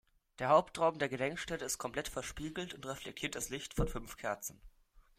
Der Hauptraum der Gedenkstätte ist komplett verspiegelt und reflektiert das Licht von "fünf" Kerzen.